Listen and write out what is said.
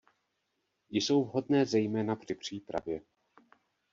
Jsou vhodné zejména při přípravě.